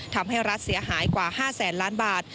ทำให้รัฐเสียหายกว่า๕๐๐๐๐๐๐บาท